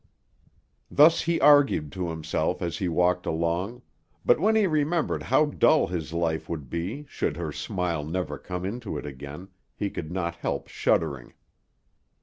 Thus he argued to himself as he walked along; but when he remembered how dull his life would be should her smile never come into it again, he could not help shuddering.